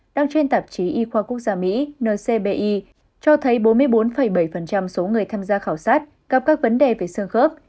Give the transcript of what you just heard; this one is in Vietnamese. đăng trên tạp chí y khoa quốc gia mỹ ncbi cho thấy bốn mươi bốn bảy số người tham gia khảo sát gặp các vấn đề về xương khớp